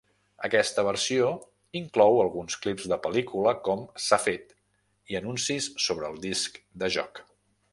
Aquesta versió inclou alguns clips de pel·lícula "com-s'ha-fet" i anuncis sobre el disc de joc.